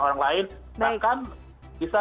orang lain bahkan bisa